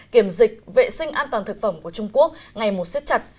kiểm dịch vệ sinh an toàn thực phẩm của trung quốc ngày một siết chặt